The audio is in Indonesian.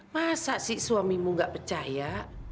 masa si suamimu gak percaya